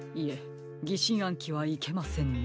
ぎしんあんきはいけませんね。